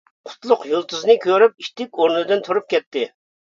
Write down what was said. قۇتلۇق يۇلتۇزنى كۆرۈپ ئىتتىك ئورنىدىن تۇرۇپ كەتتى.